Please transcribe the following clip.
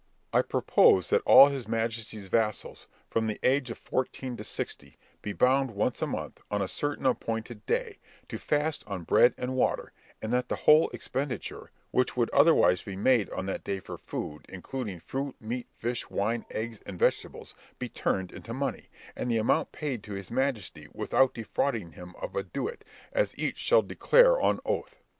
"I propose that all his majesty's vassals, from the age of fourteen to sixty, be bound once a month, on a certain appointed day, to fast on bread and water; and that the whole expenditure, which would otherwise be made on that day for food, including fruit, meat, fish, wine, eggs, and vegetables, be turned into money, and the amount paid to his majesty, without defrauding him of a doit, as each shall declare on oath.